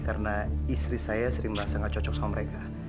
karena istri saya sering merasa nggak cocok sama mereka